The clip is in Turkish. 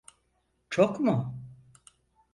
Çok mu?